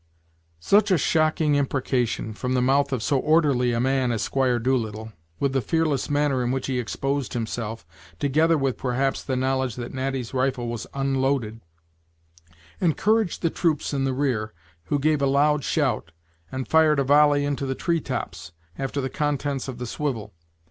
Such a shocking imprecation, from the mouth of so orderly a man as Squire Doolittle, with the fearless manner in which he exposed himself, together with, perhaps, the knowledge that Natty's rifle was unloaded, encouraged the troops in the rear, who gave a loud shout, and fired a volley into the tree tops, after the contents of the swivel.